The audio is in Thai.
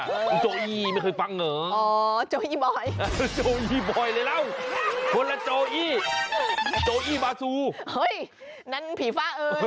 ก็พูดให้เข้าใจว่าหน้าน้าทองหน้าน้าทอง